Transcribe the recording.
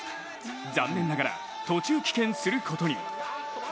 残念ながら途中棄権することに。